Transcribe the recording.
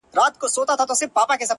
زه به هم داسي وكړم-